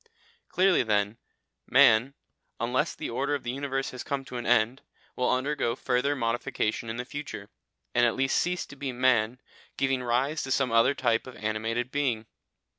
Clearly then, man, unless the order of the universe has come to an end, will undergo further modification in the future, and at last cease to be man, giving rise to some other type of animated being.